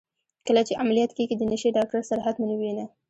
کله چي عمليات کيږې د نشې ډاکتر سره حتما ووينه.